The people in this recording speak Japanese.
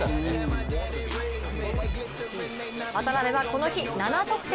渡邊はこの日７得点。